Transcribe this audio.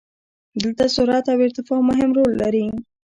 دلته سرعت او ارتفاع مهم رول لري.